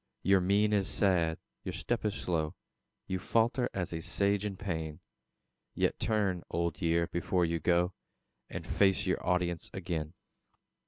Your mien is sad, your step is slow; You falter as a Sage in pain; Yet turn, Old Year, before you go, And face your audience again.